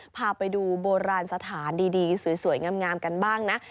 พาไปดูโบราณสถานดีสวยงามกันบ้างนะ